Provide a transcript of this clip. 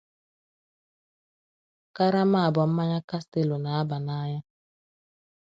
karama abụọ mmanya castello na-aba n'anya